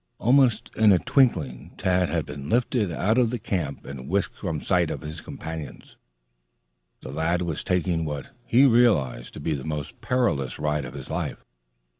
Almost in a twinkling Tad had been lifted out of the camp and whisked from the sight of his companions. The lad was taking what he realized to be the most perilous ride of his life.